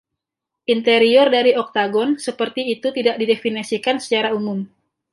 Interior dari oktagon seperti itu tidak didefinisikan secara umum.